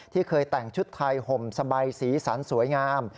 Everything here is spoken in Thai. เคยแต่งชุดไทยห่มสบายสีสันสวยงาม